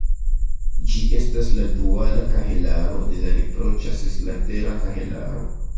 Ĝi estas la duala kahelaro de la riproĉa seslatera kahelaro.